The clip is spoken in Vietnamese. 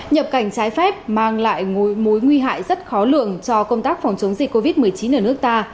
nhập cảnh trái phép mang lại mối nguy hại rất khó lường cho công tác phòng chống dịch covid một mươi chín ở nước ta